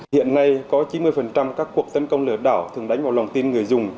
hiện nay có chín mươi các cuộc tấn công lừa đảo thường đánh vào lòng tin người dùng